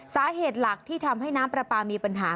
สาเหตุหลักที่ทำให้น้ำปลาปลามีปัญหา